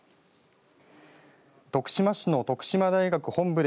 徳島市の徳島大学本部で